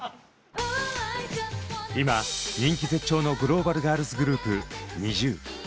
今人気絶頂のグローバルガールズグループＮｉｚｉＵ。